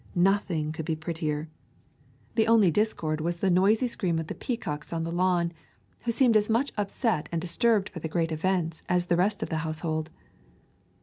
Nothing could be prettier; the only discord was the noisy scream of the peacocks on the lawn, who seemed as much upset and disturbed by the great event as the rest of the household.